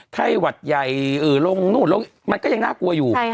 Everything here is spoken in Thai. ไข้หวัดใหญ่ลงนู่นลงมันก็ยังน่ากลัวอยู่